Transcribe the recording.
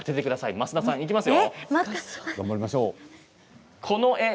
増田さんいきますよ。